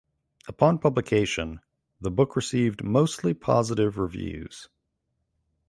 Upon publication the book received mostly positive reviews.